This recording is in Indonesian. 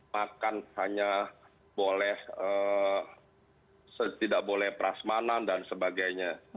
makan hanya boleh tidak boleh peras manan dan sebagainya